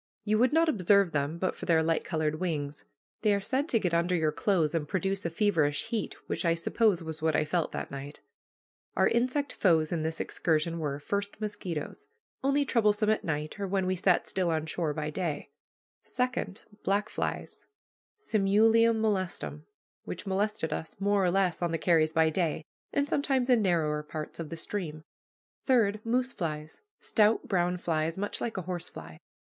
You would not observe them but for their light colored wings. They are said to get under your clothes and produce a feverish heat, which I suppose was what I felt that night. Our insect foes in this excursion were, first, mosquitoes, only troublesome at night, or when we sat still on shore by day; second, black flies (simulium molestum), which molested us more or less on the carries by day, and sometimes in narrower parts of the stream; third, moose flies, stout brown flies much like a horsefly.